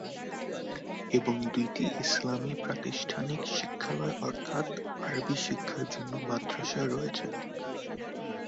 এবং দুইটি ইসলামি প্রাতিষ্ঠানিক শিক্ষালয় অর্থাৎ আরবি শিক্ষার জন্য মাদ্রাসা রয়েছে।